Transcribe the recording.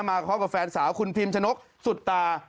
มาครอบครับกับแฟนสาวคุณพิมชะนกสุธา